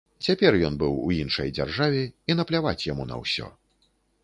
Цяпер ён быў у іншай дзяржаве і напляваць яму на ўсё.